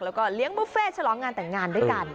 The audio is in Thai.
แล้วก็เลี้ยงบุฟเฟ่ฉลองงานแต่งงานด้วยกัน